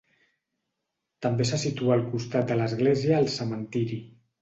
També se situa al costat de l'església el cementiri.